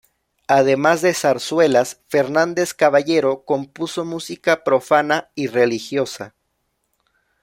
Además de zarzuelas, Fernández Caballero compuso música profana y religiosa.